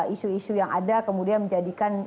isu isu yang ada kemudian menjadikan